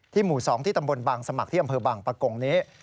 หมู่๒ที่ตำบลบางสมัครที่อำเภอบางปะกงนี้